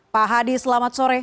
pak hadi selamat sore